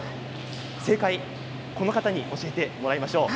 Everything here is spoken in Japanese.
正解はこの方に教えてもらいましょう。